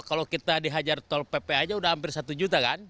kalau kita dihajar tol pp aja udah hampir satu juta kan